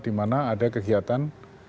di mana ada kegiatan